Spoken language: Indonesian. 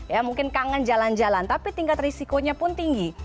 ya mungkin kangen jalan jalan tapi tingkat risikonya pun tinggi